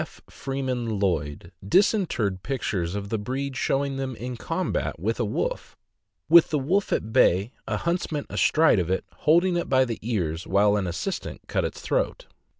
Freeman Lloyd disinterred pictures of the breed showing them in combat with a wolf, with the wolf at bay, a huntsman astride of it, holding it by the ears while an assistant cut its throat.